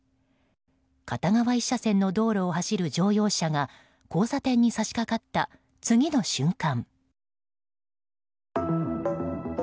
片側１車線の道路を走る乗用車が交差点に差し掛かった次の瞬間。